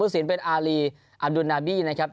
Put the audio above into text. สินเป็นอารีอับดุลนาบี้นะครับ